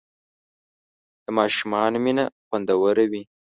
د ماشومانو مینه خوندور وي.